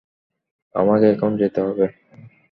আমাকে এখন যেতে হবে!